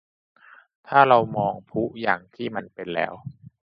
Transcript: ถ้าเรามองพลุอย่างที่มันเป็นแล้ว